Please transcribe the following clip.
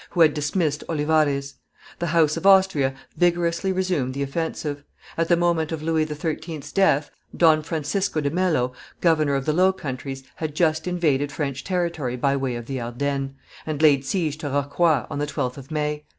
who had dismissed Olivarez; the house of Austria vigorously resumed the offensive; at the moment of Louis XIII.'s death, Don Francisco de Mello, governor of the Low Countries, had just invaded French territory by way of the Ardennes, and laid siege to Rocroi, on the 12th of May.